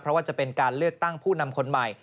เพราะว่าจะเป็นการเลือกตั้งผู้นำคนใหม่